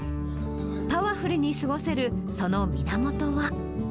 パワフルに過ごせるその源は。